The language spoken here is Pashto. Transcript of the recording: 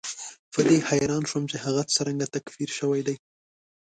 په دې حیران شوم چې هغه څرنګه تکفیر شوی دی.